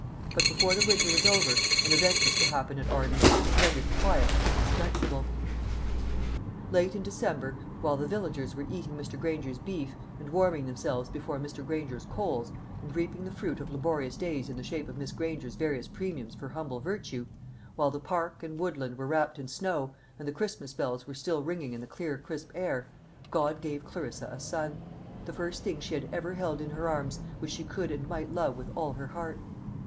But before the winter was over, an event was to happen at Arden which rendered quiet indispensable. Late in December, while the villagers were eating Mr. Granger's beef, and warming themselves before Mr. Granger's coals, and reaping the fruit of laborious days in the shape of Miss Granger's various premiums for humble virtue while the park and woodland were wrapped in snow, and the Christmas bells were still ringing in the clear crisp air, God gave Clarissa a son the first thing she had ever held in her arms which she could and might love with all her heart.